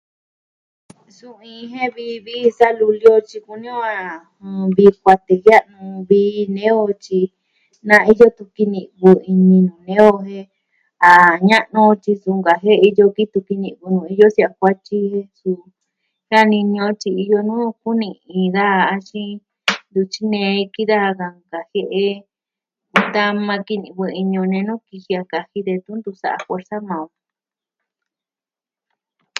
Suu iin jen vii vi ji sa luli o tyi kuni on a nuu vii kuatee vii nee o tyi na iyo tu'un kini'vɨ ini nee o jen a ña'nu on tyi su nkajie'e iyo ki tu'un kini'vɨ iyo se'ya kuatyi suu... jianini o tyi iyo nuu kuni'in daja axin ntuvi tyinei ki daja na nkajie'e kutama kini'vɨ ini o nenuu kiji a kaji detun ntu sa'a fuersa maa on.